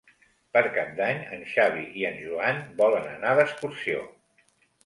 Per Cap d'Any en Xavi i en Joan volen anar d'excursió.